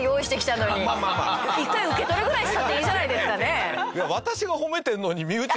１回受け取るぐらいしたっていいじゃないですかね。